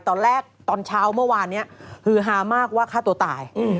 ตอนแรกตอนเช้าเมื่อวานนี้ฮือฮามากว่าฆ่าตัวตาย